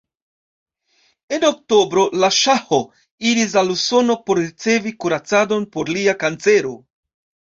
En oktobro la ŝaho iris al Usono por ricevi kuracadon por lia kancero.